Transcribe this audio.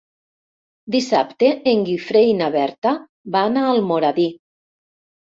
Dissabte en Guifré i na Berta van a Almoradí.